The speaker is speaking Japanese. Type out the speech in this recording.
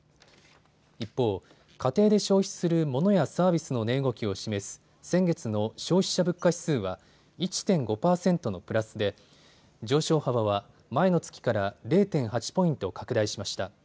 一方、家庭で消費するモノやサービスの値動きを示す先月の消費者物価指数は１．５％のプラスで上昇幅は前の月から０．８ポイント拡大しました。